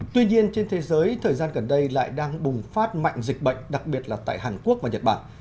tuy nhiên trên thế giới thời gian gần đây lại đang bùng phát mạnh dịch bệnh đặc biệt là tại hàn quốc và nhật bản